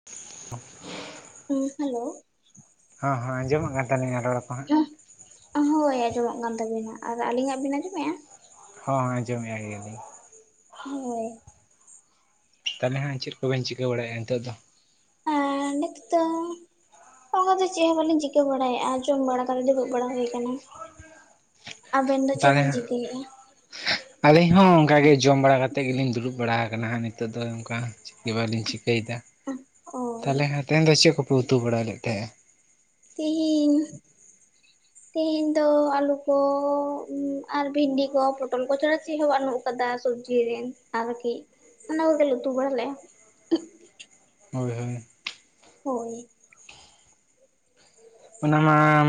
[unintelligible] ᱦᱮᱸ ᱦᱮᱞᱳ ᱾ ᱦᱚᱸ ᱦᱚᱸ ᱟᱸᱡᱚᱢᱚᱜ ᱠᱟᱱ ᱛᱟᱹᱞᱤᱧᱟ ᱨᱚᱲ ᱠᱚ? ᱦᱟᱸᱜ ᱦᱳᱭ ᱟᱸᱡᱚᱢᱚᱜ ᱠᱟᱱ ᱛᱟᱹᱵᱤᱱᱟ ᱟᱨ ᱟᱹᱞᱤᱧᱟᱜ ᱵᱤᱱ ᱟᱸᱡᱚᱢᱮᱜ-ᱟ? ᱦᱚᱸ ᱟᱸᱡᱚᱢᱮᱜ ᱜᱮᱭᱟᱞᱤᱧ᱾ ᱦᱳᱭ᱾ ᱛᱟᱦᱚᱞᱮ ᱦᱟᱸᱜ ᱪᱮᱫ ᱠᱚ ᱵᱤᱱ ᱪᱤᱠᱟᱹ ᱵᱟᱲᱟᱭ-ᱟ ᱱᱤᱛᱚᱜ ᱫᱚ᱾ ᱮ ᱱᱤᱛ ᱫᱚ ᱚᱱᱠᱟ ᱫᱚ ᱪᱮᱫ ᱦᱚᱸ ᱵᱟᱹᱞᱤᱧ ᱪᱤᱠᱟᱹ ᱵᱟᱲᱟᱭᱮᱟ ᱡᱚᱢ ᱵᱟᱲᱟ ᱠᱟᱛᱮᱫ ᱫᱩᱲᱩᱵ ᱵᱟᱲᱟ ᱦᱩᱭ ᱟᱠᱟᱱᱟ᱾ ᱟᱵᱮᱱ ᱫᱚ ᱪᱮᱫ ᱛᱟᱦᱚᱞᱮ ᱵᱤᱱ ᱦᱟᱸᱜ ᱪᱤᱠᱟᱹᱭᱮᱜ-ᱟ? ᱟᱹᱞᱤᱧ ᱦᱚᱸ ᱚᱱᱠᱟᱜ ᱜᱮ ᱡᱚᱢ ᱵᱟᱲᱟ ᱠᱟᱛᱮ ᱜᱮᱞᱤᱧ ᱫᱩᱲᱩᱵ ᱵᱟᱲᱟ ᱟᱠᱟᱱᱟ ᱦᱟᱸᱜ ᱱᱤᱛᱚᱜ ᱱᱤᱛᱚᱜ ᱫᱚ ᱚᱱᱠᱟ ᱪᱤᱠᱟᱹ ᱵᱟᱞᱤᱧ ᱪᱤᱠᱟᱹᱭᱮᱫᱟ᱾ ᱚ ᱛᱟᱦᱚᱞᱮ ᱦᱟᱸᱜ ᱛᱮᱦᱮᱧ ᱫᱚ ᱪᱮᱫ ᱠᱚᱯᱮ ᱩᱛᱩ ᱵᱟᱲᱟ ᱞᱮᱫ ᱛᱟᱦᱮ-ᱟ? ᱛᱤᱦᱤᱧ [unintelligible] ᱛᱤᱦᱤᱧ ᱫᱚ ᱟᱹᱞᱩ ᱠᱚ ᱟᱨ ᱵᱷᱤᱱᱰᱤ ᱠᱚ ᱯᱚᱴᱚᱞ ᱠᱚ ᱪᱷᱟᱲᱟ ᱪᱮᱫ ᱦᱚᱸ ᱵᱟᱹᱱᱩᱜ ᱠᱟᱫᱟ ᱥᱚᱵᱡᱤ ᱨᱤᱱ ᱟᱨᱠᱤ ᱚᱱᱟᱠᱚ ᱜᱮᱞᱮ ᱩᱛᱩ ᱵᱟᱲᱟ ᱞᱮ-ᱟ᱾ ᱦᱳᱭ ᱦᱳᱭ᱾ ᱦᱳᱭ᱾ ᱚᱱᱟ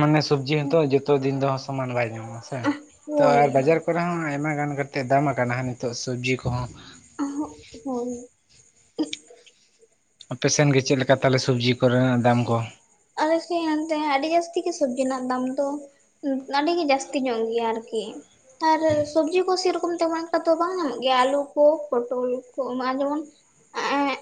ᱢᱟᱱᱮ ᱥᱚᱵᱡᱤ ᱦᱚᱸᱛᱚ ᱡᱚᱛᱚ ᱫᱤᱱ ᱫᱚ ᱥᱚᱢᱟᱱ ᱵᱟᱭ ᱧᱟᱢᱚᱜ ᱟᱥᱮ ᱛᱚ ᱦᱳᱭ ᱵᱟᱡᱟᱨ ᱠᱚ ᱨᱮ ᱦᱚᱸ ᱟᱭᱢᱟ ᱜᱟᱱ ᱠᱟᱛᱮᱜ ᱫᱟᱢ ᱟᱠᱟᱱᱟ ᱱᱤᱛᱚᱜ ᱥᱚᱵᱽᱡᱤ ᱠᱚᱦᱚᱸ᱾ ᱚᱦᱩ ᱦᱳᱭ᱾ ᱟᱯᱮ ᱥᱮᱱ ᱜᱮ ᱪᱮᱫ ᱞᱮᱠᱟ ᱛᱟᱞᱮ ᱥᱚᱵᱡᱤ ᱠᱚᱨᱮᱱᱟᱜ ᱫᱟᱢ ᱠᱚ? ᱟᱞᱮ ᱥᱮᱫ ᱮᱱᱛᱮ ᱟᱹᱰᱤ ᱡᱟᱹᱥᱛᱤ ᱜᱮ ᱥᱚᱵᱽᱡᱤ ᱨᱮᱱᱟᱜ ᱫᱟᱢ ᱫᱚ᱾ ᱟᱹᱰᱤ ᱜᱮ ᱡᱟᱹᱥᱛᱤ ᱧᱚᱜ ᱜᱮᱭᱟ ᱟᱨᱠᱤ᱾ ᱟᱨ ᱥᱚᱵᱡᱤ ᱠᱚ ᱥᱮᱨᱚᱠᱚᱢ ᱛᱮᱢᱚᱱ ᱮᱠᱴᱟ ᱫᱚ ᱵᱟᱝ ᱧᱟᱢᱚᱜ ᱜᱮᱭᱟ ᱟᱞᱩ ᱠᱚ ᱯᱚᱴᱚᱞ ᱠᱚ ᱡᱮᱢᱚᱱ ᱮᱸᱻ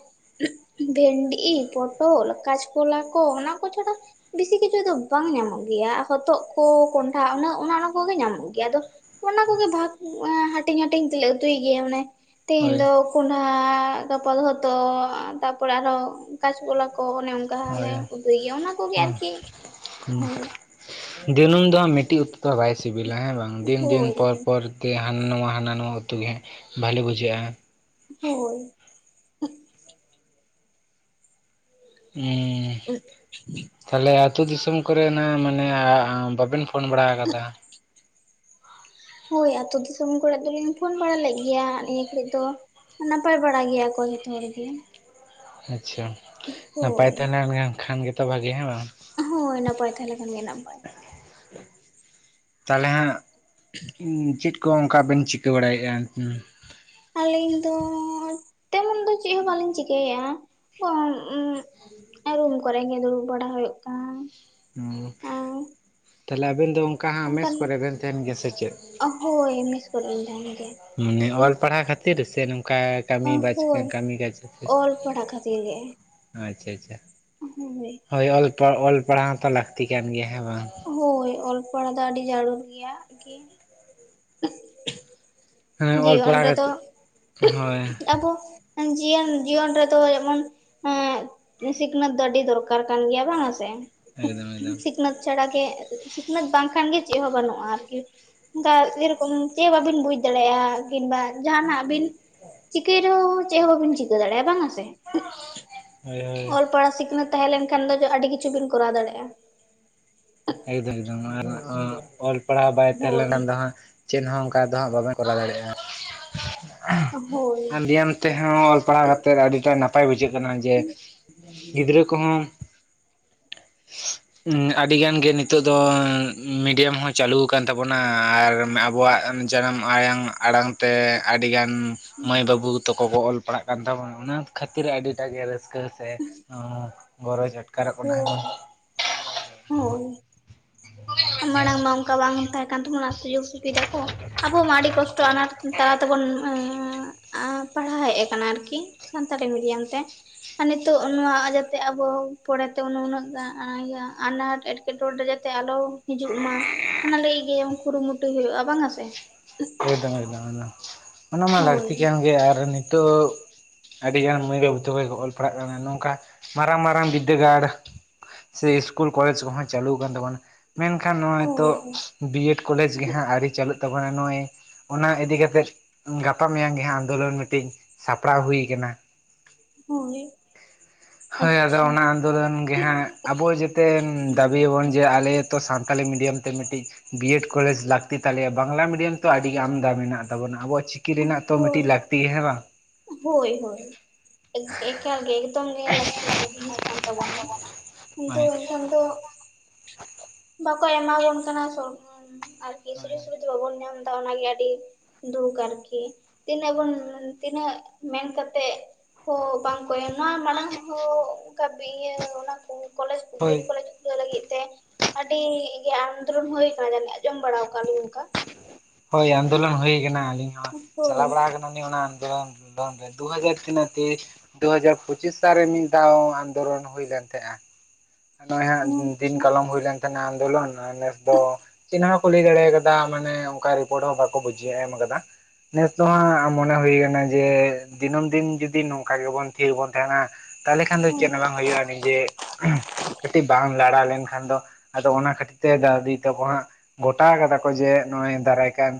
ᱵᱷᱮᱱᱰᱤ ᱯᱚᱴᱚᱞ ᱠᱟᱪᱠᱞᱟ ᱠᱚ ᱚᱱᱟ ᱠᱚ ᱪᱷᱟᱰᱟ ᱵᱮᱥᱤ ᱠᱤᱪᱷᱩ ᱫᱚ ᱵᱟᱝ ᱧᱟᱢᱚᱜ ᱜᱮᱭᱟ ᱦᱚᱛᱚᱫ ᱠᱚ ᱠᱚᱱᱰᱦᱟ ᱩᱱᱟᱹᱜ ᱚᱱᱟ ᱠᱚᱜᱮ ᱧᱟᱢᱚᱜ ᱜᱮᱭᱟ, ᱟᱫᱚ ᱚᱱᱟ ᱠᱚᱜᱮ ᱵᱷᱟᱜ ᱦᱟᱹᱴᱤᱧ ᱦᱟᱹᱴᱤᱧ ᱛᱮᱞᱮ ᱩᱛᱩᱭ ᱜᱮᱭᱟ, ᱢᱟᱱᱮ ᱛᱤᱦᱤᱧ ᱦᱳᱭ ᱫᱚ ᱠᱚᱸᱰᱷᱟ ᱜᱟᱯᱟ ᱫᱚ ᱦᱚᱛᱚᱜ ᱛᱟᱯᱚᱨ ᱟᱨᱦᱚᱸ ᱠᱟᱪᱠᱞᱟ ᱠᱚ ᱚ ᱚᱱᱮ ᱚᱱᱠᱟ ᱞᱮ ᱦᱳᱭ ᱩᱛᱩᱭ ᱜᱮᱭᱟ ᱚᱱᱟ ᱠᱚᱜᱮ ᱟᱨᱠᱤ ᱦᱩᱸ ᱦᱳᱭ᱾ ᱫᱤᱱᱟᱹᱢ ᱫᱚ ᱢᱤᱫᱴᱮᱡ ᱩᱛᱩ ᱫᱚ ᱵᱟᱭ ᱥᱤᱵᱤᱞᱟ ᱦᱮᱸ ᱵᱟᱝ ᱫᱤᱱ ᱫᱤᱱ ᱦᱳᱭ ᱯᱚᱨ ᱯᱚᱨ ᱛᱮᱜᱮ ᱦᱟᱱᱟ ᱱᱟᱣᱟ ᱦᱟᱱᱟ ᱱᱟᱣᱟ ᱩᱛᱩ ᱜᱮ ᱵᱷᱟᱞᱤ ᱵᱩᱡᱷᱟᱹᱜ-ᱟ᱾ ᱦᱳᱭ ᱾ [unintelligible] ᱩ [inaudible] ᱛᱟᱦᱚᱞᱮ ᱟᱹᱛᱩ ᱫᱤᱥᱚᱢ ᱠᱚᱨᱮᱱᱟᱜ ᱢᱟᱱᱮ ᱵᱟᱵᱮᱱ ᱯᱷᱳᱱ ᱵᱟᱲᱟ ᱟᱠᱟᱫᱟ᱾ ᱦᱳᱭ ᱟᱹᱛᱩ ᱫᱤᱥᱚᱢ ᱠᱚᱨᱮ ᱫᱚᱞᱤᱧ ᱯᱷᱳᱱ ᱵᱟᱲᱟ ᱞᱮᱫ ᱜᱮᱭᱟ ᱱᱤᱭᱟᱹ ᱠᱚᱨᱮ ᱫᱚ᱾ ᱱᱟᱯᱟᱹᱭ ᱵᱟᱲᱟ ᱜᱮᱭᱟ ᱠᱚ ᱡᱚᱛᱚ ᱦᱚᱲ ᱜᱮ᱾ ᱟᱪᱪᱷᱟ ᱱᱟᱯᱟᱭ ᱦᱳᱭ ᱛᱟᱦᱮᱸᱞᱮᱱ ᱠᱷᱟᱱ ᱜᱮᱛᱚ ᱵᱷᱟᱜᱤ ᱦᱮ ᱵᱟᱝ᱾ ᱦᱳᱭ ᱱᱟᱯᱟᱭ ᱛᱟᱸᱦᱮᱞᱮᱱ ᱠᱷᱟᱱ ᱜᱮ ᱱᱟᱯᱟᱭ᱾ [inaudible] ᱛᱟᱦᱚᱞᱮ ᱦᱟᱸᱜ ᱪᱮᱫ ᱠᱚ ᱚᱱᱠᱟ ᱵᱮᱱ ᱪᱤᱠᱟᱹ ᱵᱟᱲᱟᱭᱮᱫᱼᱟ᱾ ᱟᱹᱞᱤᱧ ᱫᱚ ᱛᱮᱢᱚᱱ ᱫᱚ ᱪᱮᱫ ᱦᱚᱸ ᱵᱟᱹᱞᱤᱧ ᱪᱤᱠᱟᱭᱟ᱾ ᱨᱩᱢ ᱠᱚᱨᱮ ᱜᱮ ᱫᱩᱲᱩᱵ ᱵᱟᱲᱟ ᱦᱩᱭᱩᱜ ᱠᱟᱱᱟ᱾ ᱦᱮᱸ ᱛᱟᱦᱞᱮ ᱟᱵᱮᱱ ᱫᱚ,, ᱚᱠᱟ ᱟᱢᱮᱥ ᱚᱱᱠᱟᱱ ᱠᱚᱨᱮ ᱵᱮᱱ ᱛᱟᱦᱮᱱ ᱜᱮᱭᱟ ᱥᱮ ᱪᱮᱫ? ᱦᱳᱭ ᱢᱮᱥ ᱠᱚᱨᱮ ᱞᱤᱧ ᱛᱟᱦᱮᱱ ᱜᱮᱭᱟ ᱢᱟᱱᱮ ᱚᱞ ᱯᱟᱲᱦᱟᱣ ᱠᱷᱟᱹᱛᱤᱨ ᱥᱮ ᱱᱚᱝᱠᱟ ᱠᱟᱹᱢᱤ ᱵᱟ ᱠᱟᱹᱢᱤ ᱠᱟᱡᱟ ᱠᱷᱟᱹᱛᱤᱨ ᱛᱮ᱾ ᱯᱟᱲᱟ ᱠᱷᱟᱹᱛᱤᱨ ᱜᱮ᱾ ᱟᱪᱪᱷᱟ ᱟᱪᱪᱷᱟ᱾ ᱦᱳᱭ, ᱦᱳᱭ ᱚᱞᱟᱲ ᱚᱞ ᱯᱟᱲᱦᱟᱣ ᱛᱚ ᱞᱟᱹᱠᱛᱤ ᱠᱟᱱ ᱜᱮᱭᱟ ᱦᱮᱸ ᱵᱟᱝ᱾ ᱦᱳᱭ ᱚᱞ ᱯᱟᱲᱦᱟᱣ ᱫᱚ ᱟᱹᱰᱤ ᱡᱟᱹᱨᱩᱲ ᱜᱮᱭᱟ ᱟᱨᱠᱤ᱾ ᱦᱮᱸ ᱚᱞ ᱡᱤᱭᱚᱱ ᱯᱟᱲᱦᱟᱣ ᱨᱮᱫᱚ ᱠᱟᱛᱮᱫ ᱦᱳᱭ ᱟᱵᱚ, ᱡᱤᱭᱚᱱ ᱡᱤᱭᱚᱱ ᱨᱮᱫᱚᱚ ᱡᱮᱢᱚᱱ ᱮᱸ ᱥᱤᱠᱷᱱᱟᱹᱛ ᱫᱚ ᱟᱹᱰᱤ ᱫᱚᱨᱠᱟᱨ᱾ ᱫᱚᱨᱠᱟᱨ ᱠᱟᱱ ᱜᱮᱭᱟ ᱵᱟᱝᱟ ᱥᱮ ᱮᱠᱫᱚᱢ ᱮᱠᱫᱚᱢ ᱥᱤᱠᱷᱱᱟᱹᱛ ᱪᱷᱟᱲᱟᱟᱜᱮ ᱥᱤᱠᱷᱱᱟᱹᱛ ᱵᱟᱝᱠᱷᱟᱱᱜᱮ ᱪᱮᱫ ᱦᱚᱸ ᱵᱟᱹᱱᱩᱜᱼᱟ ᱟᱨᱠᱤ᱾ ᱚᱱᱠᱟ ᱡᱨᱚᱠᱚᱢ ᱪᱮᱫ ᱵᱟᱹᱵᱤᱱ ᱵᱩᱡ ᱫᱟᱲᱮᱭᱟᱜᱼᱟ᱾ ᱠᱤᱵᱟ ᱡᱟᱦᱟᱱᱟᱜ ᱵᱤᱱ ᱪᱤᱠᱟᱹᱭ ᱨᱮᱦᱚᱸ ᱪᱮᱫ ᱦᱚᱸᱵᱤᱱ ᱪᱤᱠᱟᱹ ᱫᱟᱲᱮᱭᱟᱜᱼᱟ ᱵᱟᱝ ᱟᱥᱮ᱾ ᱦᱳᱭ ᱦᱳᱭ ᱚᱞ ᱯᱟᱲᱦᱟᱣ ᱥᱤᱠᱷᱱᱟᱹᱛ ᱛᱟᱦᱮᱸ ᱞᱮᱱᱠᱷᱟᱱ ᱫᱚ ᱟᱹᱰᱤ ᱠᱤᱪᱷᱩ ᱵᱤᱱ ᱠᱚᱨᱟᱣ ᱫᱟᱲᱮᱭᱟᱜᱼᱟ᱾ ᱮᱠᱫᱚᱢ ᱮᱠᱫᱚᱢ ᱟᱨ ᱚᱞ ᱯᱟᱲᱦᱟᱣ ᱵᱟᱭ ᱛᱟᱦᱮᱸ ᱦᱳᱭ ᱞᱮᱱᱟ ᱫᱚ ᱦᱟᱸᱜ ᱪᱮᱫ ᱦᱚᱸ ᱚᱱᱠᱟ ᱫᱚ ᱦᱟᱸᱜ ᱵᱟᱵᱮ ᱠᱚᱨᱟᱣ ᱫᱟᱲᱮᱭᱟᱜᱼᱟ ᱦᱳᱭ ᱵᱮᱭᱟᱢ ᱛᱮᱦᱚᱸ ᱚᱞ ᱯᱟᱲᱦᱟᱣ ᱠᱟᱛᱮᱫ ᱟᱹᱰᱤ ᱴᱟ ᱱᱟᱯᱟᱭ ᱵᱩᱡᱷᱟᱹᱜ ᱠᱟᱱᱟ ᱡᱮ ᱜᱤᱫᱽᱨᱟᱹ ᱠᱚᱦᱚᱸ ᱟᱹᱰᱤ ᱜᱟᱱ ᱜᱮ ᱱᱤᱛᱚᱜ ᱫᱚ ᱢᱤᱰᱤᱭᱟᱢ ᱦᱚᱸ ᱪᱟᱹᱞᱩᱠᱟᱱ ᱛᱟᱵᱚᱱᱟ ᱟᱨ ᱟᱵᱚᱣᱟᱜ ᱡᱟᱱᱟᱢ ᱟᱲᱟᱝ ᱟᱲᱟᱝ ᱛᱮ ᱟᱹᱰᱤᱜᱟᱱ ᱢᱟᱹᱭ ᱵᱟᱹᱵᱩ ᱛᱟᱠᱚ ᱠᱚ ᱚᱞ ᱯᱟᱲᱦᱟᱜ ᱠᱟᱱ ᱛᱟᱵᱚᱱᱟ ᱚᱱᱟ ᱠᱷᱟᱹᱛᱤᱨ ᱟᱹᱰᱤᱴᱟᱜ ᱜᱮ ᱨᱟᱹᱥᱠᱟᱹ ᱨᱟᱹᱥᱠᱟᱹ ᱥᱮ ᱜᱚᱨᱚᱡᱽ ᱟᱴᱠᱟᱨᱚᱜ ᱠᱟᱱᱟ᱾ ᱦᱳᱭ ᱦᱳᱭ, ᱢᱟᱲᱟᱝ ᱢᱟ ᱚᱱᱠᱟ ᱵᱟᱝ ᱛᱟᱦᱮᱸ ᱠᱟᱱ ᱛᱟᱵᱱᱟ ᱚᱱᱟ ᱥᱩᱡᱳᱜ᱾ ᱥᱩᱵᱤᱫᱟ ᱠᱚ ᱟᱵᱚ ᱢᱤ ᱠᱚᱥᱴᱚ ᱟᱱᱟᱴ ᱛᱟᱨᱟ ᱛᱮᱵᱚᱱ ᱯᱟᱲᱦᱟᱣ ᱦᱮᱡ ᱠᱟᱱᱟ ᱟᱨᱠᱤ ᱥᱟᱱᱛᱟᱲᱤ ᱢᱤᱰᱤᱭᱟᱢ ᱛᱮ᱾ ᱟᱨ ᱱᱤᱛᱚᱜ ᱱᱚᱣᱟ ᱡᱟᱛᱮ ᱟᱵᱚ ᱯᱚᱨᱮᱛᱮ ᱩᱱᱟᱹᱜ ᱟᱱᱟᱴ ᱮᱴᱠᱮᱴ ᱮᱴᱠᱮᱴᱚᱬᱮ ᱨᱮ ᱡᱟᱛᱮ ᱟᱞᱚ ᱦᱤᱡᱩᱜ ᱢᱟ ᱚᱱᱟ ᱞᱟᱹᱜᱤᱫ ᱜᱮ ᱠᱩᱨᱩᱢᱩᱴᱩ ᱦᱩᱭᱩᱜᱼᱟ ᱵᱟᱝ ᱟ ᱥᱮ᱾ ᱮᱠᱫᱚᱢ ᱮᱫᱚᱢ ᱚᱱᱟ ᱢᱟ ᱦᱳᱭ ᱞᱟᱹᱠᱛᱤ ᱠᱟᱱ ᱜᱮ ᱟᱨ ᱱᱤᱛᱚᱜ ᱟᱹᱰᱤᱜᱟᱱ ᱢᱟᱹᱭ ᱵᱟᱹᱵᱩ ᱛᱟᱠᱚ ᱠᱚ ᱚᱞ ᱯᱟᱲᱦᱟᱜ ᱠᱟᱱᱟ ᱱᱚᱝᱠᱟ ᱢᱟᱨᱟᱝ ᱢᱟᱨᱟᱝ ᱵᱤᱫᱽᱫᱟᱹᱜᱟᱲᱽ ᱥᱮ ᱤᱥᱠᱩᱞ ᱠᱚᱞᱮᱡᱽ ᱠᱚᱦᱚᱸ ᱪᱟᱹᱞᱩ ᱟᱠᱟᱱ ᱛᱟᱵᱚᱱᱟ ᱢᱮᱱᱠᱷᱟᱱ ᱱᱚᱜᱚᱭ ᱛᱚ ᱦᱳᱭ ᱵᱤ ᱮᱰ ᱠᱚᱞᱮᱡᱽ ᱜᱮ ᱦᱟᱸᱜ ᱟᱹᱣᱨᱤ ᱪᱟᱹᱞᱩᱜ ᱛᱟᱵᱚᱱᱟ ᱱᱚᱜᱼᱭ᱾ ᱚᱱᱟ ᱤᱫᱤᱠᱟ ᱠᱟᱛᱮᱜ ᱜᱟᱯᱟ ᱢᱮᱭᱟᱝ ᱜᱮ ᱦᱟᱸᱜ ᱟᱱᱫᱳᱞᱚᱱ ᱢᱤᱫᱴᱮᱱ ᱥᱟᱯᱲᱟᱣ ᱦᱩᱭ ᱟᱠᱟᱱᱟ᱾ ᱦᱳᱭ, ᱦᱳᱭ ᱟᱫᱚ ᱟᱪᱪᱷᱟ ᱚᱱᱟ ᱟᱱᱫᱳᱞᱚᱱ ᱜᱮᱦᱟᱸᱜ ᱟᱵᱚ ᱡᱟᱛ ᱛᱮ ᱫᱟᱹᱵᱤᱭᱟᱵᱚᱱ ᱡᱮ ᱟᱞᱮ ᱦᱚᱛᱚ ᱥᱟᱱᱛᱟᱞᱤ ᱢᱤᱰᱤᱭᱟᱢ ᱛᱮ ᱢᱤᱫᱴᱤᱡ ᱵᱤᱭᱮᱰ ᱠᱚᱞᱮᱡᱽ ᱞᱟᱹᱠᱛᱤ ᱛᱟᱞᱮᱭᱟ ᱵᱟᱝᱞᱟ ᱢᱤᱰᱤᱭᱟᱢ ᱛᱚ ᱟᱹᱰᱤᱜ ᱟᱢᱫᱟ ᱢᱮᱱᱟᱜ ᱛᱟᱵᱚᱱᱟ ᱟᱵᱚᱣᱟᱜ ᱪᱤ ᱠᱤ ᱨᱮᱱᱟᱜ ᱛᱚ ᱢᱤᱫᱴᱤᱡ ᱦᱳᱭ ᱞᱟᱹᱠᱛᱤ ᱦᱮᱸ ᱵᱟᱝ᱾ ᱦᱳᱭ ᱦᱳᱭ ᱮᱠᱟᱞ ᱜᱮ ᱮᱠᱫᱚᱢ ᱜᱮ ᱞᱟᱹᱠᱛᱤ ᱠᱟᱱ ᱡᱤᱱᱤᱥ ᱠᱟᱱ ᱛᱟᱵᱚᱱᱟ᱾ ᱠᱤᱱᱛᱩ ᱦᱳᱭ ᱮᱱᱠᱷᱟᱱ ᱫᱚ ᱵᱟᱠᱚ ᱮᱢᱟᱵᱚᱱ ᱠᱟᱱᱟ ᱥᱚᱨᱠᱟᱨ ᱟᱨ ᱥᱩᱡᱳᱜᱽ ᱦᱳᱭ ᱥᱩᱵᱤᱫᱷᱟ ᱵᱟᱵᱚᱱ ᱧᱟᱢ ᱮᱫᱟ ᱚᱱᱟᱜᱮ ᱟᱹᱰᱤ ᱫᱩᱠ ᱟᱨᱠᱤ ᱛᱤᱱᱟᱹᱜ ᱵᱚᱱ ᱛᱤᱱᱟᱹᱜ ᱢᱮᱱ ᱠᱟᱛᱮᱫ ᱦᱚᱸ ᱵᱟᱝ ᱠᱚ ᱮᱢᱟ ᱢᱟᱲᱟᱝ ᱦᱚᱸ ᱚᱱᱠᱟ ᱤᱭᱟᱹ ᱚᱱᱟ ᱠᱚ ᱠᱚᱞᱮᱡᱽ ᱠᱚᱜᱮ ᱦᱳᱭ ᱠᱚᱞᱮᱡᱽ ᱠᱷᱩᱞᱟᱹᱣ ᱞᱟᱹᱜᱤᱫ ᱛᱮ ᱟᱹᱰᱤ ᱜᱮ ᱟᱱᱫᱳᱞᱚᱱ ᱦᱩᱭ ᱟᱠᱟᱱᱟ ᱡᱟᱹᱱᱤᱡ ᱡᱚᱢ ᱵᱟᱲᱟᱣ ᱟᱠᱟᱫ ᱞᱤᱧ᱾ ᱚᱱᱠᱟ ᱦᱳᱭ ᱟᱱᱫᱳᱞᱚᱱ ᱦᱩᱭᱟᱠᱟᱱᱟ ᱟᱹᱞᱤᱧ ᱦᱚᱸ ᱦᱳᱭ ᱪᱟᱞᱟᱣ ᱵᱟᱲᱟ ᱠᱟᱱᱟ ᱡᱚᱠᱷᱚᱱ ᱜᱮ ᱚᱱᱟ ᱟᱱᱫᱚᱞᱚᱱ ᱟᱱᱫᱚᱞᱚᱱ ᱜᱮ ᱫᱩ ᱦᱟᱡᱟᱨ ᱛᱤᱱᱟᱹᱜ ᱛᱮᱣᱮᱥ ᱫᱩᱦᱟᱡᱟᱨ ᱯᱩᱪᱤᱥ ᱥᱟᱞᱨᱮ ᱢᱤᱫ ᱫᱷᱟᱣ ᱟᱱᱫᱚᱞᱚᱱ ᱦᱩᱭᱞᱮᱱ ᱛᱟᱦᱮᱸᱜ-ᱟ᱾ ᱱᱚᱜ-ᱚᱭ ᱦᱟᱸᱜ ᱫᱤᱱ ᱟᱪᱪᱷᱟ ᱠᱟᱞᱚᱢ ᱦᱩᱭ ᱞᱮᱱ ᱛᱟᱦᱮᱸᱱᱟ ᱟᱱᱫᱳᱞᱚᱱ ᱟᱨ ᱱᱮᱥ ᱫᱚ ᱪᱮᱫᱦᱟᱹᱜ ᱠᱩᱞᱤ ᱫᱟᱲᱮ ᱠᱟᱫᱟ ᱢᱟᱱᱮ ᱚᱱᱠᱟ ᱨᱤᱯᱚᱨᱴ ᱦᱚᱸ ᱵᱟᱠᱚ ᱵᱩᱡᱷᱟᱹ ᱮᱢ ᱟᱠᱟᱫᱟ᱾ ᱱᱮᱥ ᱫᱚ ᱦᱟᱸᱜ ᱢᱚᱱᱮ ᱦᱩᱭ ᱠᱟᱱᱟ ᱡᱮ ᱫᱤᱱᱟᱹᱢ ᱫᱤᱱ ᱡᱩᱫᱤ ᱱᱚᱝᱠᱟ ᱜᱮᱵᱚᱱ ᱛᱷᱤᱨ ᱵᱚᱱ ᱛᱟᱦᱮᱱᱟ ᱛᱟᱦᱚᱞᱮ ᱠᱷᱟᱱ ᱫᱚ ᱪᱮᱫ ᱦᱳᱭ ᱦᱚᱸ ᱵᱟᱝ ᱦᱳᱭᱳᱜ-ᱟ ᱱᱤᱡᱮ ᱠᱟᱹᱴᱤᱡ ᱵᱟᱝ ᱞᱟᱲᱟ ᱞᱮᱱᱠᱷᱟᱱ ᱫᱚ ᱟᱫᱚ ᱚᱱᱟ ᱠᱷᱟᱹᱛᱤᱨ ᱛᱮ ᱫᱟᱫᱟ ᱫᱤᱫᱤ ᱛᱟᱠᱚ ᱦᱟᱸᱜ ᱜᱚᱴᱟ ᱟᱠᱟᱫᱟ ᱠᱚ ᱡᱮ ᱱᱚᱜ ᱚᱭ ᱫᱟᱨᱟᱭ ᱠᱟᱱ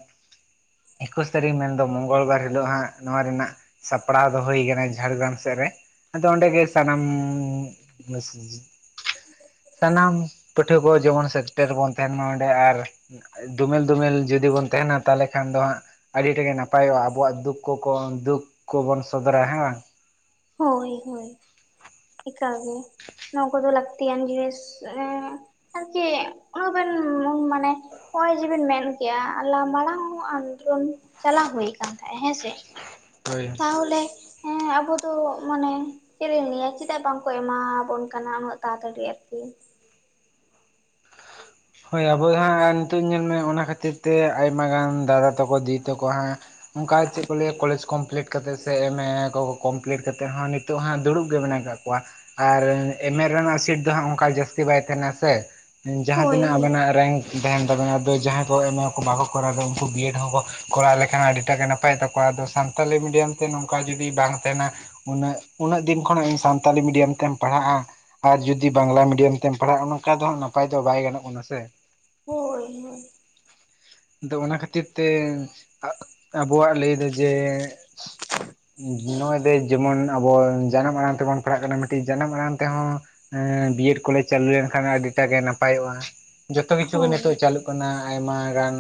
ᱮᱠᱩᱥ ᱛᱟᱹᱨᱤᱠᱷ ᱢᱮᱱᱫᱚ ᱢᱚᱝᱜᱚᱞ ᱵᱟᱨ ᱦᱤᱞᱚᱜ ᱦᱟᱸᱜ ᱱᱚᱣᱟ ᱨᱮᱱᱟᱜ ᱥᱟᱯᱲᱟᱣ ᱫᱚ ᱦᱩᱭ ᱠᱟᱱᱟ ᱡᱷᱟᱲᱜᱨᱟᱢ ᱥᱮᱫ ᱨᱮ᱾ ᱟᱫᱚ ᱚᱸᱰᱮ ᱜᱮ ᱥᱟᱱᱟᱢ ᱥᱟᱱᱟᱢ ᱯᱟᱹᱴᱷᱣᱟᱹ ᱠᱚ ᱡᱮᱢᱚᱱ ᱥᱮᱴᱮᱨ ᱵᱚᱱ ᱛᱟᱦᱮᱱ ᱢᱟ ᱚᱸᱰᱮ ᱟᱨ ᱫᱚᱢᱮᱞ ᱫᱚᱢᱮᱞ ᱡᱩᱫᱤ ᱵᱚᱱ ᱛᱟᱦᱮᱱᱟ ᱛᱟᱦᱞᱮ ᱠᱷᱟᱱ ᱫᱚ ᱦᱟᱸᱜ ᱟᱹᱰᱤ ᱴᱟ ᱜᱮ ᱱᱟᱯᱟᱭᱚᱜ-ᱟ ᱟᱵᱚᱣᱟᱜ ᱫᱩᱠ ᱠᱚᱵᱚᱱ ᱥᱚᱫᱚᱨ ᱟ ᱦᱮᱸ ᱵᱟᱝ᱾ ᱦᱳᱭ ᱦᱳᱭ ᱮᱠᱟᱞ ᱜᱮ᱾ ᱱᱚᱣᱟ ᱠᱚᱫᱚ ᱞᱟᱹᱠᱛᱤᱭᱟᱱ ᱡᱤᱱᱤᱥ ᱮ ᱟᱨᱪᱮᱜ ᱚᱱᱟ ᱵᱮᱱ ᱢᱟᱱᱮ ᱦᱚᱜᱚᱭ ᱡᱮ ᱵᱤᱱ ᱢᱮᱱ ᱠᱮᱭᱟ ᱟ ᱢᱟᱲᱟᱝ ᱦᱚᱸ ᱟᱱᱫᱳᱨᱚᱱ ᱪᱟᱞᱟᱣ ᱦᱩᱭ ᱟᱠᱟᱱ ᱛᱟᱦᱮᱸᱜ-ᱟ ᱦᱮᱸᱥᱮ᱾ ᱦᱳᱭ ᱛᱟᱦᱞᱮ ᱮ ᱟᱵᱚ ᱫᱚ ᱛᱚ ᱢᱟᱱᱮ ᱪᱮᱫ ᱞᱤᱧ ᱞᱟ. ᱭ ᱟ᱾ ᱪᱮᱫᱟᱜ ᱵᱟᱝᱠᱚ ᱮᱢᱟ ᱵᱚᱱ ᱠᱟᱱᱟ ᱩᱱᱟᱹᱜ ᱛᱟᱲᱟ ᱛᱟᱹᱲᱤ ᱟᱨᱠᱤ? ᱦᱳᱭ ᱟᱵᱚ ᱦᱟᱸᱜ ᱟᱨ ᱱᱤᱛᱚᱜ ᱧᱮᱞ ᱢᱮ ᱚᱱᱟ ᱠᱷᱟᱹᱛᱤᱨ ᱛᱮ ᱟᱭᱢᱟ ᱜᱟᱱ ᱫᱟᱫᱟ ᱛᱟᱠᱚ ᱫᱤᱫᱤ ᱛᱟᱠᱚ ᱦᱟᱸᱜ ᱚᱱᱠᱟ ᱪᱮᱫ ᱠᱚ ᱞᱟᱹᱭᱟ ᱠᱚᱞᱮᱡᱽ ᱠᱚᱢᱯᱞᱤᱴ ᱠᱟᱛᱮᱫ ᱥᱮ ᱮᱢᱮ ᱠᱚᱠᱚ ᱠᱚᱢᱯᱞᱤᱴ ᱠᱟᱛᱮᱫ ᱦᱚᱸ ᱱᱤᱛ ᱱᱤᱛᱚᱜ ᱦᱟᱜ ᱫᱩᱲᱩᱵ ᱜᱮ ᱢᱮᱱᱟᱜ ᱠᱟᱜ ᱠᱚᱣᱟ᱾ ᱟᱨ ᱮᱢᱮ ᱨᱮᱱᱟᱜ ᱥᱤᱴ ᱫᱚ ᱦᱟᱜ ᱚᱱᱠᱟ ᱡᱟᱹᱥᱛᱤ ᱵᱟᱭ ᱛᱟᱦᱮᱱᱟ ᱥᱮ ᱡᱟᱦᱟᱸ ᱦᱳᱭ ᱛᱤᱱᱟᱹᱜ ᱦᱳᱭ ᱟᱵᱮᱱᱟᱜ ᱨᱮᱝᱠ ᱛᱟᱦᱮᱱ ᱛᱟᱵᱮᱱᱟ ᱟᱫᱚ ᱡᱟᱦᱟᱸᱭ ᱠᱚ ᱮᱢᱟᱠᱚ ᱵᱟᱠᱚ ᱠᱚᱨᱟᱣ ᱮᱫᱟ ᱩᱱᱠᱩ ᱵᱤᱭᱮᱰ ᱦᱚᱸᱠᱚ ᱠᱚᱨᱟᱣ ᱞᱮᱠᱷᱟᱱ ᱟᱹᱰᱤᱴᱟᱜ ᱜᱮ ᱱᱟᱯᱟᱭ ᱛᱟᱠᱚᱣᱟ ᱟᱫᱚ ᱥᱟᱱᱛᱟᱞᱤ ᱢᱤᱰᱤᱭᱟᱢ ᱛᱮ ᱱᱚᱝᱠᱟ ᱡᱩᱫᱤ ᱵᱟᱝ ᱛᱟᱦᱮᱱᱟ ᱩᱱᱟᱹᱜ ᱩᱱᱟᱹᱜ ᱫᱤᱱ ᱠᱷᱚᱱ ᱥᱟᱱᱛᱟᱞᱤ ᱢᱤᱰᱤᱭᱟᱢ ᱛᱮᱢ ᱯᱟᱲᱦᱟᱜ-ᱟ᱾ ᱟᱨ ᱡᱩᱫᱤ ᱵᱟᱝᱞᱟ ᱢᱤᱰᱤᱭᱟᱢ ᱛᱮᱢ ᱯᱟᱲᱦᱟᱜ-ᱟ ᱱᱚᱱᱠᱟ ᱫᱚ ᱦᱟᱜ ᱱᱟᱯᱟᱭ ᱫᱚ ᱵᱟᱭ ᱜᱟᱱᱚᱜ ᱠᱟᱱᱟ ᱥᱮ᱾ ᱦᱳᱭ ᱦᱳᱭ᱾ [inaudible] ᱫᱚ ᱚᱱᱟ ᱠᱷᱟᱹᱛᱤᱨ ᱛᱮ ᱟᱜ ᱟᱵᱚᱣᱟᱜ ᱞᱟᱹᱭ ᱫᱚ ᱡᱮ ᱱᱚᱜ ᱚᱭ ᱡᱮᱢᱚᱱ ᱟᱵᱚ ᱡᱟᱱᱟᱢ ᱟᱲᱟᱝ ᱛᱮᱵᱚᱱ ᱯᱟᱲᱦᱟᱜ ᱠᱟᱱᱟ ᱢᱤᱫᱴᱤᱡ ᱡᱟᱱᱟᱢ ᱟᱲᱟᱝ ᱛᱮᱦᱚᱸ ᱮᱸ ᱵᱤᱭᱮᱰ ᱠᱚᱞᱮᱡ ᱪᱟᱹᱞᱩ ᱞᱮᱱᱠᱷᱟᱡ ᱟᱹᱰᱤᱴᱟᱜ ᱜᱮ ᱱᱟᱯᱟᱭᱚᱜ-ᱟ᱾ ᱡᱚᱛᱚ ᱠᱤᱪᱷᱩ ᱜᱮ ᱦᱳᱭ ᱱᱤᱛᱚᱜ ᱪᱟᱹᱞᱩᱜ ᱠᱟᱱᱟ ᱟᱭᱢᱟ ᱜᱟᱱ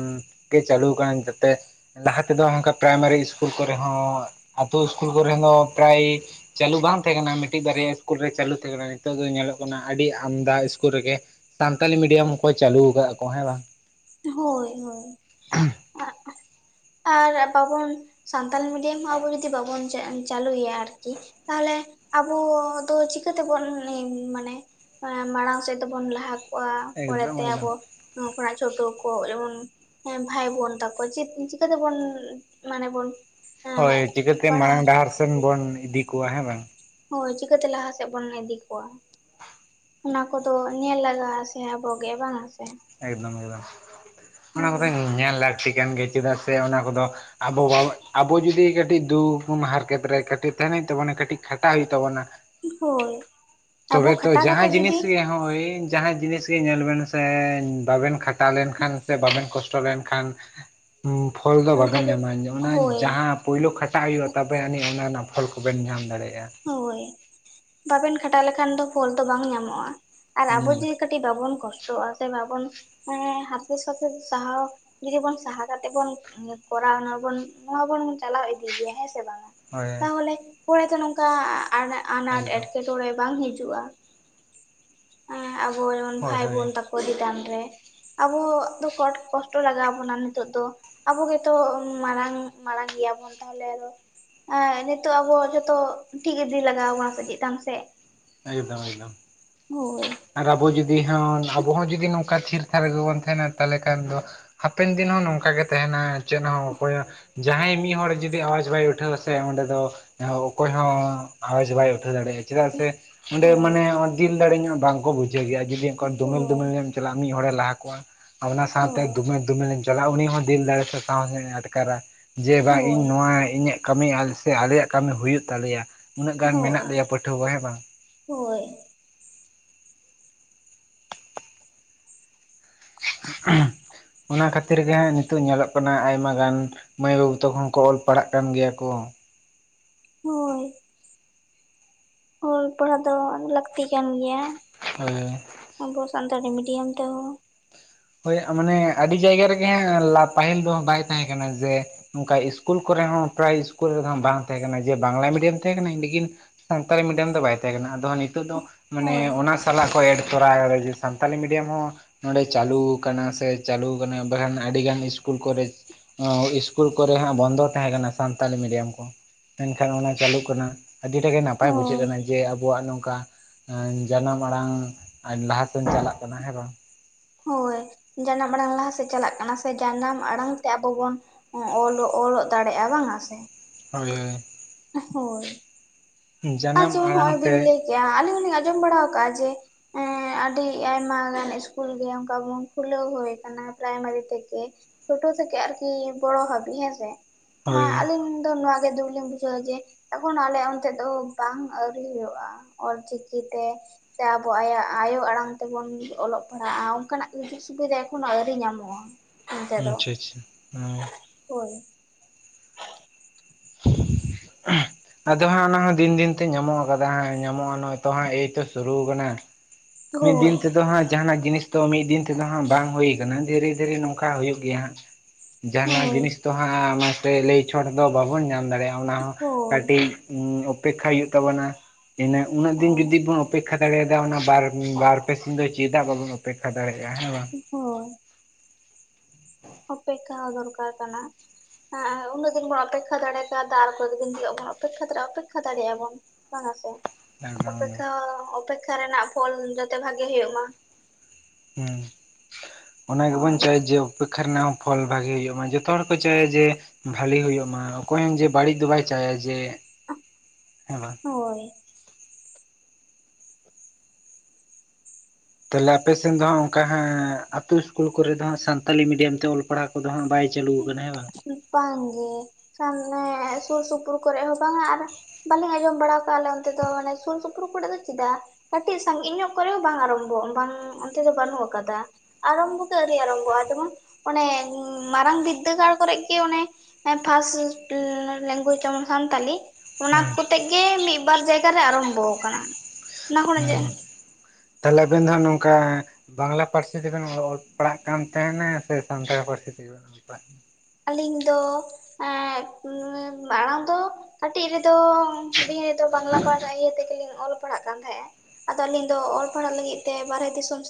ᱜᱮ ᱪᱟᱹᱞᱩᱠ ᱠᱟᱱᱟ ᱡᱟᱛᱮᱼᱼ ᱞᱟᱦᱟ ᱛᱮᱫᱚ ᱚᱱᱠᱟ ᱯᱨᱟᱭᱢᱟᱨᱤ ᱥᱠᱩᱞ ᱠᱚᱨᱮ ᱦᱚᱸ ᱟᱛᱳ ᱥᱠᱩᱞ ᱠᱚᱨᱮ ᱦᱚᱸ ᱯᱨᱟᱭᱼᱼ ᱪᱟᱹᱞᱩ ᱵᱟᱝ ᱛᱟᱦᱮᱸ ᱠᱟᱱᱟ ᱢᱤᱫᱴᱤᱡ ᱵᱟᱨᱭᱟ ᱤᱥᱠᱩᱞ ᱨᱮ ᱪᱟᱹᱞᱩ ᱛᱟᱦᱮᱸ ᱠᱟᱱᱟ ᱱᱤᱛᱚᱜ ᱫᱚ ᱧᱮᱞᱚᱜ ᱠᱟᱱᱟ ᱟᱹᱰᱤ ᱟᱢᱫᱟ ᱤᱥᱠᱩᱞ ᱨᱮᱜᱮᱼᱼ ᱥᱟᱱᱛᱟᱞᱤ ᱢᱤᱰᱤᱭᱟᱢ ᱦᱚᱸ ᱠᱚ ᱪᱟᱹᱞᱩ ᱟᱠᱟᱫ ᱠᱚ ᱦᱮᱸ ᱵᱟᱝ? ᱦᱳᱭ ᱦᱳᱭ᱾ [unintelligible] ᱟᱨ ᱵᱟᱵᱚᱱ ᱥᱟᱱᱛᱟᱞᱤ ᱢᱤᱰᱤᱭᱟᱢ ᱦᱚᱸ ᱟᱵᱚ ᱡᱩᱫᱤ ᱵᱟᱵᱚᱱ ᱡᱮᱼᱼ ᱪᱟᱹᱞᱩᱭᱟ ᱟᱨᱠᱤ ᱛᱟᱦᱚᱞᱮ ᱟᱵᱚ ᱫᱚ ᱪᱤᱠᱟᱹ ᱛᱮᱵᱚᱱ ᱢᱟᱱᱮ ᱼᱼ ᱢᱟᱲᱟᱝ ᱥᱮᱫ ᱛᱮᱵᱚᱱ ᱞᱟᱦᱟ ᱠᱚᱜᱼᱟ ᱮᱠᱫᱚᱢ ᱯᱚᱨᱮᱛᱮ ᱮᱠᱫᱚᱢ ᱟᱵᱚ [unintelligible] ᱵᱷᱟᱭ ᱵᱳᱱ ᱛᱟᱠᱳ ᱪᱮᱫ? ᱪᱤᱠᱟᱹ ᱛᱮᱵᱚᱱ ᱢᱟᱱᱮ ᱵᱚᱱ ᱮᱸ ᱦᱳᱭ ᱪᱤᱠᱟᱹᱛᱮ ᱯᱟᱲᱦᱟᱣ ᱢᱟᱲᱟᱝ ᱦᱚᱪᱚ ᱰᱟᱦᱟᱨ ᱥᱮᱱ ᱠᱚᱣᱟ, ᱵᱚᱱ ᱤᱫᱤ ᱠᱚᱣᱟ ᱦᱮᱸ ᱵᱟᱝ? ᱦᱳᱭ ᱪᱤᱠᱟᱹᱛᱮ ᱞᱟᱦᱟ ᱥᱮᱫ ᱵᱚᱱ ᱤᱫᱤ ᱠᱚᱣᱟ? ᱚᱱᱟ ᱠᱚᱫᱚ ᱧᱮᱞ ᱞᱟᱜᱟᱜ ᱟ ᱥᱮ ᱟᱵᱚ ᱜᱮ ᱵᱟᱝ ᱥᱮ? ᱮᱠᱫᱚᱢ ᱮᱠᱫᱚᱢ ᱚᱱᱟ ᱠᱚᱫᱚ ᱧᱮᱞ ᱞᱟᱹᱠᱛᱤ ᱠᱟᱱ ᱜᱮᱭᱟ ᱪᱮᱫᱟᱜ ᱥᱮ ᱚᱱᱟ ᱠᱚᱫᱚ ᱟᱵᱚ ᱵᱟᱵᱚ ᱟᱵᱚ ᱡᱩᱫᱤ ᱠᱟᱹᱴᱤᱡ [inaudible] ᱦᱟᱨᱠᱮᱛ ᱨᱮ ᱠᱟᱹᱴᱤᱡ ᱛᱟᱦᱮᱱ ᱦᱩᱭᱩᱜ ᱛᱟᱵᱚᱱᱟ ᱠᱟᱹᱴᱤᱡ ᱠᱷᱟᱴᱟᱜ ᱦᱩᱭᱩᱜ ᱛᱟᱵᱚᱱᱟ᱾ ᱦᱳᱭ᱾ ᱟᱵᱚ ᱛᱚᱵᱮ ᱛᱚ ᱠᱷᱟᱴᱟᱣ ᱡᱟᱦᱟᱸ ᱠᱟᱛᱮᱜ ᱡᱤᱱᱤᱥ ᱡᱩᱫᱤ ᱨᱮᱭᱟᱝ ᱦᱳᱭ ᱡᱟᱦᱟᱸ ᱡᱤᱱᱤᱥ ᱜᱮ ᱧᱮᱞ ᱵᱮᱱ ᱥᱮ ᱵᱟᱵᱮᱱ ᱠᱷᱟᱴᱟᱣ ᱞᱮᱱᱠᱷᱟᱱ ᱥᱮ ᱵᱟᱵᱮᱱ ᱠᱚᱥᱴᱚ ᱞᱮᱱᱠᱷᱟᱱ ᱯᱷᱚᱞ ᱫᱚ ᱚᱱᱠᱟ ᱵᱟᱠᱮᱱ ᱜᱮ ᱧᱟᱢᱟ ᱚᱱᱟ ᱦᱳᱭ ᱡᱟᱦᱟᱸ ᱯᱳᱭᱞᱳ ᱠᱷᱟᱴᱟᱜ ᱦᱩᱭᱩᱜᱼᱟ ᱛᱚᱵᱮ ᱟᱹᱱᱤᱡ ᱚᱱᱟ ᱨᱮᱱᱟᱜ ᱯᱷᱚᱞ ᱠᱚᱵᱮᱱ ᱧᱟᱢ ᱫᱟᱲᱮᱭᱟᱜᱼᱟ᱾ ᱦᱳᱭ ᱵᱟᱵᱮᱱ ᱠᱷᱟᱴᱟᱣ ᱞᱮᱠᱷᱟᱱ ᱫᱚ ᱯᱷᱚᱞ ᱫᱚ ᱵᱟᱝ ᱧᱟᱢᱚᱜᱼᱟ ᱟᱨ ᱦᱩᱸ ᱟᱵᱚ ᱡᱮ ᱠᱟᱹᱴᱤᱡ ᱵᱟᱵᱚᱱ ᱠᱚᱥᱴᱚᱜᱼᱟ ᱥᱮ ᱵᱟᱵᱚᱱ ᱦᱮ ᱦᱟᱨᱠᱮᱛ ᱥᱟᱥᱮᱛ ᱥᱟᱦᱟᱣ ᱠᱟ ᱡᱩᱫᱤ ᱵᱚᱱ ᱥᱟᱦᱟ ᱠᱟᱛᱮᱜ ᱵᱚᱱ ᱠᱚᱨᱟᱣ ᱱᱟ ᱵᱚᱱ ᱱᱚᱣᱟ ᱵᱚᱱ ᱪᱟᱞᱟᱣ ᱤᱫᱤ ᱜᱮᱭᱟ ᱦᱮᱸ ᱥᱮ ᱵᱟᱝᱟ? ᱦᱳᱭ ᱛᱟᱦᱚᱞᱮ ᱯᱚᱨᱮ ᱫᱚ ᱱᱚᱝᱠᱟ ᱟᱱᱟᱴ ᱮᱠᱫᱚᱢ ᱮᱴᱠᱮᱴᱚᱬᱮ ᱵᱟᱝ ᱦᱤᱡᱩᱜᱼᱟ ᱟᱵᱚ ᱡᱮᱢᱚᱱ ᱦᱳᱭ ᱵᱷᱟᱭ ᱵᱳᱱ ᱦᱳᱭ ᱛᱟᱠᱳ ᱪᱮᱛᱟᱱ ᱨᱮ ᱟᱵᱚ ᱫᱚ ᱠᱚᱴ ᱠᱚᱥᱴᱚ ᱞᱟᱜᱟᱣ ᱵᱚᱱᱟ ᱱᱤᱛᱚᱜ ᱫᱚᱼᱼ ᱟᱵᱚ ᱜᱮᱛᱚ ᱢᱟᱲᱟᱝ ᱢᱟᱲᱟᱝ ᱜᱮᱭᱟᱵᱚᱱ ᱛᱟᱦᱚᱞᱮ ᱟᱫᱚ ᱮ ᱱᱤᱛᱚᱜ ᱟᱵᱚ ᱡᱚᱛᱚ ᱴᱷᱤᱠ ᱤᱫᱤ ᱞᱟᱜᱟᱣ ᱵᱚᱱᱟ ᱥᱮ ᱪᱮᱛᱟᱱ ᱥᱮᱼᱼ ᱮᱠᱫᱚᱢ ᱮᱠᱫᱚᱢᱼᱼ ᱟᱨ ᱟᱵᱚ ᱡᱩᱫᱤ ᱦᱚᱸ ᱟᱵᱚ ᱦᱚᱸ ᱡᱩᱫᱤ ᱱᱚᱝᱠᱟ ᱛᱷᱤᱨ ᱛᱷᱟᱨ ᱨᱮᱜᱮ ᱵᱚᱱ ᱛᱮᱦᱮᱱᱟ ᱛᱟᱦᱚᱞᱮ ᱠᱷᱟᱱ ᱫᱚ ᱦᱟᱯᱮᱱ ᱫᱤᱱ ᱦᱚᱸ ᱱᱚᱝᱠᱟ ᱜᱮ ᱛᱮᱦᱮᱱᱟ ᱪᱮᱫ ᱦᱚᱸ ᱚᱠᱚᱭᱟᱜ ᱡᱟᱦᱟᱸᱭ ᱢᱤᱫ ᱦᱚᱲ ᱡᱩᱫᱤ ᱟᱣᱟᱡᱽ ᱵᱟᱭ ᱩᱴᱷᱟᱹᱣᱟ ᱥᱮ ᱚᱸᱰᱮ ᱫᱚ ᱮᱦᱚ ᱚᱠᱚᱭ ᱦᱚᱸ ᱟᱣᱟᱡᱽ ᱵᱟᱭ ᱩᱴᱷᱟᱹᱣ ᱫᱟᱲᱮ ᱪᱮᱫᱟᱜ ᱥᱮ ᱚᱸᱰᱮ ᱢᱟᱱᱮ ᱫᱤᱞ ᱫᱟᱲᱮ ᱧᱚᱜ ᱵᱟᱝᱠᱚ ᱵᱩᱡᱷᱟᱹᱣ ᱜᱮᱭᱟ ᱟᱨ ᱡᱩᱫᱤ ᱚᱱᱠᱟ ᱫᱳᱢᱮᱞ ᱫᱳᱢᱮᱞ ᱧᱚᱜ ᱮᱢ ᱪᱟᱞᱟᱜᱼᱟ ᱢᱤᱫ ᱢᱤᱫ ᱦᱚᱲᱮ ᱞᱟᱦᱟ ᱠᱚᱜᱼᱟ ᱟᱨ ᱚᱱᱟ ᱥᱟᱶᱛᱮ ᱦᱳᱭ, ᱫᱚᱢᱮᱞ ᱫᱚᱢᱮᱞᱮᱢ ᱪᱟᱞᱟᱜᱼᱟ ᱩᱱᱤ ᱦᱚᱸ ᱫᱤᱞ ᱫᱟᱲᱮ ᱥᱮ ᱥᱟᱦᱚᱥ-ᱮ ᱟᱴᱠᱟᱨᱟ᱾ ᱡᱮ ᱵᱟᱝ ᱦᱳᱭ, ᱤᱧ ᱱᱚᱣᱟ ᱤᱧᱟᱹᱜ ᱠᱟᱹᱢᱤ ᱥᱮ ᱟᱞᱮᱭᱟᱜ ᱠᱟᱹᱢᱤ ᱦᱩᱭᱩᱜ ᱛᱟᱞᱮᱭᱟ ᱩᱱᱟᱹ ᱜᱟᱱ ᱢᱮᱱᱟᱜ ᱦᱳᱭ, ᱞᱮᱭᱟ ᱯᱟᱹᱴᱷᱩᱣᱟᱹ ᱦᱮᱸ ᱵᱟᱝ? ᱦᱳᱭ᱾ ᱚᱱᱟ ᱠᱷᱟᱹᱛᱤᱨ ᱜᱮ ᱦᱟᱸᱜ ᱱᱤᱛᱳᱜ ᱧᱮᱞᱚᱜ ᱠᱟᱱᱟ ᱟᱭᱢᱟ ᱜᱟᱱ ᱢᱟᱹᱭ ᱵᱟᱹᱵᱩ ᱛᱟᱠᱩ ᱦᱚᱸ ᱠᱚ ᱚᱞ ᱯᱟᱲᱦᱟᱜ ᱠᱟᱱ ᱜᱮᱭᱟ ᱠᱚ᱾ ᱦᱳᱭ᱾ ᱦᱳᱭ ᱯᱟᱲᱦᱟᱜ ᱫᱚ ᱞᱟᱹᱠᱛᱤ ᱠᱟᱱ ᱜᱮᱭᱟᱼᱼ ᱦᱳᱭ ᱦᱳᱭ᱾ ᱟᱵᱚ ᱥᱟᱱᱛᱟᱲᱤ ᱢᱤᱰᱤᱭᱟᱢ ᱛᱮᱦᱚᱸ᱾ ᱦᱳᱭ ᱢᱟᱱᱮ ᱟᱹᱰᱤ ᱡᱟᱭᱜᱟ ᱨᱮᱜᱮ ᱦᱟᱸᱜ ᱞᱟ ᱯᱟᱹᱦᱤᱞ ᱫᱚ ᱵᱟᱭ ᱛᱟᱦᱮᱸ ᱠᱟᱱᱟ ᱡᱮ ᱱᱚᱠᱟ ᱤᱥᱠᱩᱞ ᱠᱚᱨᱮ ᱦᱚᱸ ᱯᱨᱟᱭ ᱤᱥᱠᱩᱞ ᱨᱮᱦᱚᱸ ᱵᱟᱝ ᱛᱟᱦᱮᱸ ᱠᱟᱱᱟ ᱡᱮ ᱵᱟᱝᱞᱟ ᱢᱤᱰᱤᱭᱟᱢ ᱛᱟᱦᱮᱸ ᱠᱟᱱᱟ ᱞᱮᱠᱤᱱ ᱥᱟᱱᱛᱟᱲᱤ ᱢᱤᱰᱤᱭᱟᱢ ᱫᱚ ᱵᱟᱭ ᱛᱮᱦᱮᱸ ᱠᱟᱱᱟ ᱟᱫᱚ ᱦᱟᱸᱜ ᱱᱤᱛᱚᱜ ᱫᱚ ᱢᱟᱱᱮ ᱦᱳᱭ ᱚᱱᱟ ᱥᱟᱞᱟᱜ ᱠᱚ ᱮᱰ ᱛᱚᱨᱟ ᱠᱟᱫᱟ ᱡᱮ ᱥᱟᱱᱛᱟᱞᱤ ᱢᱤᱰᱤᱭᱟᱢ ᱦᱚᱸ ᱱᱚᱰᱮ ᱪᱟᱹᱞᱩᱣ ᱠᱟᱱᱟ ᱥᱮ ᱪᱟᱹᱞᱩᱣ ᱠᱟᱱᱟ ᱵᱟᱠᱷᱟᱱ ᱟᱹᱰᱤ ᱜᱟᱱ ᱤᱥᱠᱩᱞ ᱠᱚᱞᱮᱡᱽ ᱚᱸᱻ ᱤᱥᱠᱩᱞ ᱠᱚᱨᱮ ᱦᱟᱸᱜ ᱵᱚᱱᱫᱚ ᱛᱟᱦᱮᱸ ᱠᱟᱱᱟ ᱥᱟᱱᱛᱟᱞᱤ ᱢᱤᱰᱤᱭᱟᱢ ᱠᱚ᱾ ᱢᱮᱱᱠᱷᱟᱱ ᱚᱱᱟ ᱪᱟᱹᱞᱩᱜ ᱠᱟᱱᱟ ᱟᱹᱰᱤᱴᱟᱜ ᱜᱮ ᱱᱟᱯᱟᱭ ᱵᱩᱡᱷᱟᱹᱜ ᱦᱳᱭ ᱠᱟᱱᱟ ᱡᱮ ᱟᱵᱚᱣᱟᱜ ᱱᱚᱝᱠᱟ ᱟᱸ ᱡᱟᱱᱟᱢ ᱟᱲᱟᱝ ᱞᱟᱦᱟ ᱥᱮᱱ ᱪᱟᱞᱟᱜ ᱠᱟᱱᱟ ᱦᱮᱸ ᱵᱟᱝ ᱦᱳᱭ ᱡᱟᱱᱟᱢ ᱟᱲᱟᱝ ᱞᱟᱦᱟ ᱥᱮᱫ ᱪᱟᱞᱟᱜ ᱠᱟᱱᱟ ᱥᱮ ᱡᱟᱱᱟᱢ ᱟᱲᱟᱝ ᱛᱮ ᱟᱵᱚ ᱵᱚᱱ ᱚᱞ ᱚᱞᱚᱜ ᱫᱟᱲᱮᱭᱟᱜᱼᱟ ᱵᱟᱝ ᱟ ᱥᱮ᱾ ᱦᱳᱭ ᱦᱳᱭ᱾ ᱦᱳᱭ᱾ ᱟᱨ ᱡᱟᱱᱟᱢ ᱡᱮᱢᱚᱱ ᱟᱲᱟᱝ ᱦᱚᱸᱜᱼᱚᱭ ᱛᱮ ᱵᱤᱱ ᱞᱟᱹᱭ ᱠᱮᱜᱼᱟ ᱟᱹᱞᱤᱧ ᱦᱚᱸᱞᱤᱧ ᱟᱸᱡᱚᱢ ᱵᱟᱲᱟᱣ ᱠᱟᱜᱼᱟ ᱡᱮ ᱮᱸ ᱟᱹᱰᱤ ᱟᱭᱢᱟ ᱜᱟᱱ ᱤᱥᱠᱩᱞ ᱜᱮ ᱚᱝᱠᱟ ᱵᱚᱱ ᱠᱷᱩᱞᱟᱹᱣ ᱦᱩᱭ ᱠᱟᱱᱟ ᱯᱨᱟᱭᱢᱟᱨᱤ ᱛᱷᱮᱠᱮ, ᱪᱳᱴᱳ ᱛᱷᱮᱠᱮ ᱟᱨᱠᱤ ᱵᱚᱲᱚ ᱦᱟᱹᱵᱤ ᱦᱮᱸ ᱥᱮ? ᱦᱮᱸ ᱦᱳᱭ ᱟᱹᱞᱤᱧ ᱫᱚ ᱱᱚᱣᱟ ᱜᱮ ᱫᱩᱠ ᱞᱤᱧ ᱵᱩᱡᱷᱟᱹᱣᱟ ᱡᱮ ᱮᱠᱷᱚᱱ ᱟᱞᱮ ᱚᱱᱛᱮᱡ ᱫᱚ ᱵᱟᱝ ᱟᱹᱣᱨᱤ ᱦᱩᱭᱩᱜᱼᱟ ᱚᱞᱪᱤᱠᱤ ᱛᱮ ᱥᱮ ᱟᱵᱚ ᱟᱭᱟᱜ ᱟᱭᱳ ᱟᱲᱟᱝ ᱛᱮᱵᱚᱱ ᱚᱞᱚᱜ ᱯᱟᱲᱦᱟᱜᱼᱟ ᱚᱝᱠᱟᱱᱟᱜ ᱥᱩᱡᱩᱠ ᱥᱩᱵᱤᱫᱷᱟ ᱮᱠᱷᱚᱱᱳ ᱟᱹᱣᱨᱤ ᱧᱟᱢᱚᱜᱼᱟ᱾ ᱟᱪᱪᱷᱟ ᱟᱪᱪᱷᱟ ᱦᱳᱭ᱾ ᱦᱚᱭ᱾ [unintelligible] ᱟᱫᱚ ᱦᱟᱸᱜ ᱚᱱᱟ ᱦᱚᱸ ᱫᱤᱱ ᱫᱤᱱ ᱛᱮ ᱧᱟᱢᱚᱜᱼᱟ ᱠᱟᱫᱟ ᱦᱟᱸᱜ ᱧᱟᱢᱚᱜᱼᱟ ᱱᱚᱜᱼᱚᱭ ᱛᱚ ᱦᱟᱸᱜ ᱮᱭᱛᱳ ᱥᱩᱨᱩᱣ ᱠᱟᱱᱟ᱾ ᱢᱤᱫ ᱦᱳᱭ ᱫᱤᱱ ᱛᱮᱫᱚ ᱦᱟᱸᱜ ᱡᱟᱦᱟᱸᱱᱟᱜ ᱡᱤᱱᱤᱥ ᱛᱚ ᱢᱤᱫ ᱫᱤᱱ ᱛᱮᱫᱚ ᱦᱟᱸᱜ ᱵᱟᱝ ᱦᱩᱭ ᱠᱟᱱᱟ᱾ ᱫᱷᱤᱨᱤ ᱫᱷᱤᱨᱤ ᱱᱚᱝᱠᱟ ᱦᱩᱭᱩᱜ ᱜᱮᱭᱟ ᱦᱟᱸᱜ, ᱡᱟᱦᱟᱸᱱᱟᱜ ᱦᱳᱭ ᱡᱤᱱᱤᱥ ᱛᱚ ᱦᱟᱸᱜ ᱚᱱᱟ ᱛᱮ ᱞᱟᱹᱭ ᱪᱷᱚᱰ ᱫᱚ ᱵᱟᱵᱚᱱ ᱧᱟᱢ ᱫᱟᱲᱮᱭᱟᱜᱼᱟ ᱚᱱᱟ ᱦᱚᱸ ᱦᱳᱭ ᱠᱟᱹᱴᱤᱡ ᱩᱸ ᱚᱯᱮᱠᱷᱟᱭ ᱦᱳᱭᱳᱜ ᱛᱟᱵᱚᱱᱟ ᱤᱱᱟᱹ ᱩᱱᱟᱹᱜ ᱫᱤᱱ ᱦᱳᱭ ᱡᱩᱫᱤ ᱵᱚᱱ ᱚᱯᱮᱠᱷᱟ ᱫᱟᱲᱮᱭᱟᱫᱟ ᱚᱱᱟ ᱵᱟᱨ ᱩᱸ ᱵᱟᱨ ᱯᱮ ᱥᱤᱧ ᱫᱚ ᱪᱮᱫᱟᱜ ᱵᱟᱵᱚᱱ ᱚᱯᱮᱠᱷᱟ ᱫᱟᱲᱮᱭᱟᱜᱼᱟ ᱦᱮᱸ ᱵᱟᱝ᱾ ᱦᱚᱭ᱾ ᱦᱮ [inaudible] ᱚᱯᱮᱠᱠᱷᱟ ᱦᱚᱸ ᱫᱚᱨᱠᱟᱨ ᱠᱟᱱᱟ᱾ ᱟᱸᱟᱸ ᱩᱱᱟᱹᱜ ᱫᱤᱱ ᱵᱚᱱ ᱚᱯᱮᱠᱠᱷᱟ ᱫᱟᱲᱮ ᱠᱟᱣᱫᱟ ᱟᱨ ᱠᱚᱭᱮᱠ ᱫᱤᱱ ᱜᱤ [inaudible] ᱚᱯᱮᱠᱠᱷᱟ [unintelligible] ᱚᱯᱮᱠᱠᱷᱟ ᱫᱟᱲᱮᱭᱟᱜᱼᱟ ᱵᱚᱱ᱾ ᱵᱟᱝᱟ ᱥᱮ? ᱚᱯᱮᱠᱷᱟ ᱚ ᱚᱯᱮᱠᱠᱷᱟ ᱨᱮᱱᱟᱜ ᱯᱷᱚᱞ ᱡᱟᱛᱮ ᱵᱷᱟᱜᱮ ᱦᱩᱭᱩᱜ ᱢᱟ᱾ ᱦᱩᱸ, ᱚᱱᱟ ᱜᱮᱵᱚᱱ ᱦᱳᱭ ᱪᱟᱹᱭ ᱡᱮ ᱩᱯᱮᱠᱷᱟ ᱨᱮᱱᱟᱜ ᱦᱚᱸ ᱯᱷᱚᱞ ᱵᱷᱟᱜᱤ ᱦᱩᱭᱩᱜ ᱢᱟ᱾ ᱡᱚᱛᱚ ᱦᱚᱲ ᱠᱚ ᱪᱟᱹᱭᱟ ᱡᱮ ᱵᱷᱟᱞᱤ ᱦᱩᱭᱩᱜ ᱢᱟ ᱚᱠᱚᱭ ᱦᱚᱸ ᱡᱮ ᱵᱟᱹᱲᱤᱡ ᱫᱚ ᱵᱟᱭ ᱪᱟᱭᱟ ᱡᱮ, ᱦᱮᱸ ᱵᱟᱝ? ᱦᱳᱭ᱾ ᱛᱟᱦᱚᱞᱮ ᱟᱯᱮ ᱥᱮᱱ ᱫᱚ ᱦᱟᱸᱜ ᱚᱝᱠᱟ ᱦᱟᱸᱜ ᱟᱛᱩ ᱤᱥᱠᱩᱞ ᱠᱚᱨᱮ ᱫᱚ ᱦᱟᱸᱜ ᱥᱟᱱᱛᱟᱞᱤ ᱢᱤᱰᱤᱭᱟᱢ ᱛᱮ ᱚᱞ ᱯᱟᱲᱦᱟ ᱠᱚᱫᱚ ᱦᱟᱸᱜ ᱵᱟᱭ ᱪᱟᱹᱞᱩᱣ ᱠᱟᱱᱟ ᱦᱮᱸ ᱵᱟᱝ? ᱵᱟᱝ ᱜᱮ [unintelligible] ᱥᱩᱨ ᱥᱩᱯᱩᱨ ᱠᱚᱨᱮᱜ ᱦᱚᱸ ᱵᱟᱝᱟ ᱟᱨ ᱵᱟᱞᱮ ᱟᱸᱡᱚᱢ ᱵᱟᱲᱟᱣ ᱠᱟᱜᱼᱟ ᱟᱞᱮ ᱚᱱᱛᱮ ᱫᱚ ᱢᱟᱱᱮ ᱥᱩᱨ ᱥᱩᱯᱩᱨ ᱠᱚᱲᱮᱜ ᱫᱚ ᱪᱮᱫᱟᱜ, ᱠᱟᱹᱴᱤᱡ ᱥᱟᱺᱜᱤᱧ ᱧᱚᱜ ᱠᱚᱨᱮ ᱦᱚᱸ ᱵᱟᱝ ᱟᱨᱟᱢᱵᱚ ᱵᱟᱝ ᱚᱱᱛᱮ ᱫᱚ ᱵᱟᱹᱱᱩᱜ ᱟᱠᱟᱫᱟ᱾ ᱟᱨᱟᱢᱵᱚ ᱫᱚ ᱟᱹᱨᱤ ᱟᱨᱟᱢᱵᱚᱜᱼᱟ ᱡᱮᱢᱚᱱ ᱚᱱᱮ ᱩᱸᱻ ᱢᱟᱨᱟᱝ ᱵᱤᱫᱽᱫᱟᱹᱜᱟᱲ ᱠᱚᱨᱮᱜ ᱜᱮ ᱚᱱᱮ ᱮᱸ ᱯᱷᱟᱥᱴ ᱞᱮᱝᱜᱩᱭᱮᱡᱽ ᱡᱮᱢᱚᱱ ᱥᱟᱱᱛᱟᱞᱤ ᱚᱱᱟ ᱦᱮᱸ ᱠᱚᱛᱮᱜ ᱜᱮ ᱢᱤᱫᱵᱟᱨ ᱡᱟᱭᱜᱟ ᱨᱮ ᱟᱨᱟᱢᱵᱷᱚ ᱟᱠᱟᱱᱟ ᱚᱱᱟ ᱠᱷᱚᱱᱟᱜ ᱡᱟ ᱛᱟᱞᱦᱮ ᱟᱵᱮᱱ ᱫᱚ ᱦᱟᱸᱜ ᱱᱚᱝᱠᱟ ᱵᱟᱝᱞᱟ ᱯᱟᱹᱨᱥᱤ ᱛᱮ ᱵᱮᱱ ᱚᱞ ᱯᱟᱲᱦᱟᱜ ᱠᱟᱱ ᱛᱟᱦᱮᱱᱟ ᱥᱮ ᱥᱟᱱᱛᱟᱲᱤ ᱯᱟᱹᱨᱥᱤ ᱛᱮᱜᱤ ᱵᱮᱱ ᱚᱞ ᱯᱟᱲᱦᱟᱜ ᱟᱹᱞᱤᱧ ᱫᱚ ᱮᱸᱜ ᱩᱸ ᱢᱟᱲᱟᱝ ᱫᱚ ᱠᱟᱹᱴᱤᱡ ᱨᱮᱫᱚ ᱦᱩᱰᱤᱧ ᱨᱮᱫᱚ ᱵᱟᱝᱞᱟ ᱯᱟᱦᱟᱴᱟ ᱤᱭᱟᱹ ᱛᱮᱜᱮ ᱞᱤᱧ ᱚᱞ ᱯᱟᱲᱦᱟᱜ ᱠᱟᱱ ᱛᱟᱦᱮᱸᱜᱼᱟ, ᱟᱫᱚ ᱟᱹᱞᱤᱧ ᱫᱚ ᱚᱞ ᱯᱟᱲᱦᱟᱜ ᱞᱟᱹᱜᱤᱫ ᱛᱮ ᱵᱟᱨᱦᱮ ᱫᱤᱥᱚᱢ ᱥᱮᱫ